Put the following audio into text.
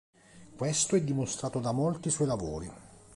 Questo è dimostrato da molti suoi lavori.